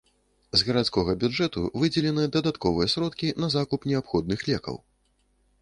З гарадскога бюджэту выдзеленыя дадатковыя сродкі на закуп неабходных лекаў.